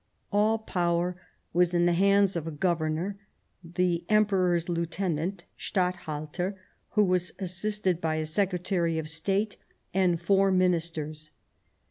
All power was in the hands of a Governor, the Emperor's Lieutenant — Statthalter — who was assisted by a Secretary of State and four Ministers.